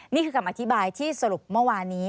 นี่คือคำอธิบายที่สรุปเมื่อวานี้